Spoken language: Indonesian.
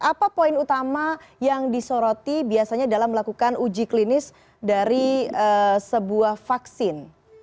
apa poin utama yang disoroti biasanya dalam melakukan uji klinis dari sebuah vaksin